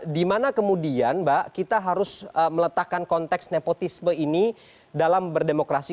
dimana kemudian mbak kita harus meletakkan konteks nepotisme ini dalam berdemokrasi